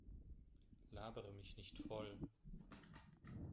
Labere mich nicht voll.